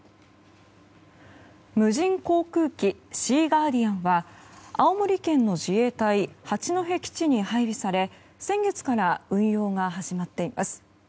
無人航空機「シーガーディアン」は青森県の自衛隊八戸基地に配備され先月から運用が始まっています。